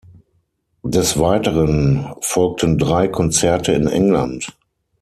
Des Weiteren folgten drei Konzerte in England.